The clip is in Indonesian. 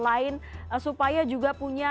lain supaya juga punya